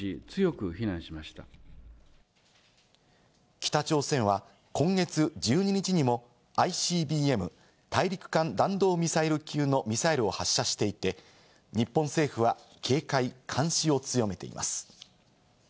北朝鮮は今月１０日にもＩＣＢＭ＝大陸間弾道ミサイル級のミサイルを発射していて、日本政府は警戒、監視を強めています。